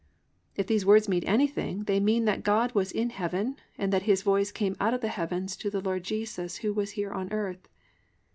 "+ If these words mean anything, they mean that God was in heaven and that His voice came out of the heavens to the Lord Jesus who was here on earth.